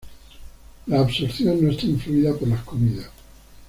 La absorción no está influida por las comidas.